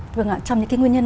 trong những cái nguyên nhân